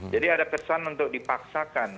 jadi ada kesan untuk dipaksakan